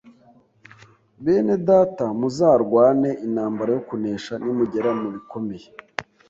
Benedata muzarwane intambara yo kunesha nimugera mu bikomeye